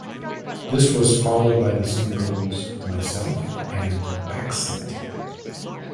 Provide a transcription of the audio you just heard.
This was followed by the singles "Myself" and "Backseat".